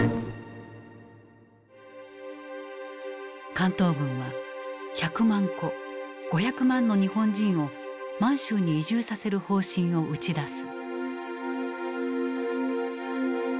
関東軍は１００万戸５００万の日本人を満州に移住させる方針を打ち出す。